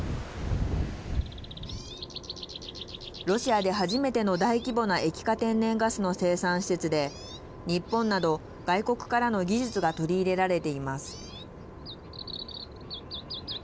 ロシアで初めての大規模な液化天然ガスの生産施設で日本など、外国からの技術が取り入れられています。